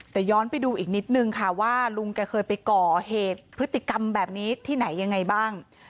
แต่ย้อนไปดูอีกนิดนึงค่ะว่าลุงแกเคยไปก่อเหตุพฤติกรรมแบบนี้ที่ไหนยังไงบ้าง